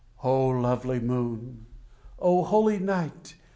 Oh, lovely moon! oh, holy night!